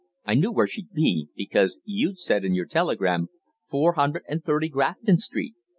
I knew where she'd be, because you'd said in your telegram four hundred and thirty Grafton Street.